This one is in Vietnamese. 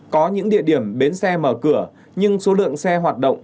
có những địa điểm bến xe mở cửa nhưng số lượng xe hoạt động